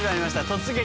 「突撃！